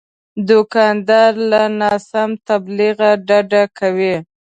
دوکاندار له ناسم تبلیغ ډډه کوي.